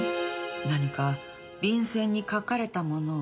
何か便箋に書かれたものを見て。